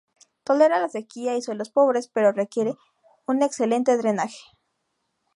Tolera la sequía y suelos pobres, pero requiere un excelente drenaje.